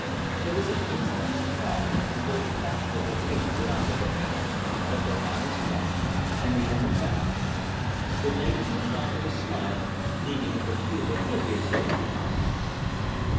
There was an instant's pause, as though the fashionable lady would offer her hand; but their eyes met, and they only bowed. The lady moved on with a smile, leaving a perfume of heliotrope behind her.